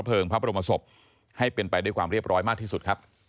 พระบรมศพให้เป็นไปด้วยความเรียบร้อยมากที่สุดครับ